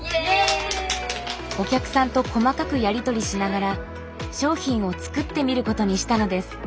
お客さんと細かくやり取りしながら商品を作ってみることにしたのです。